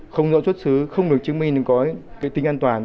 không rõ xuất xứ không được chứng minh có tính an toàn